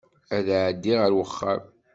Ad ɛeddiɣ ar wexxam.